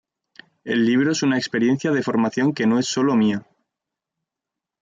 El libro es una experiencia de formación que no es sólo mía".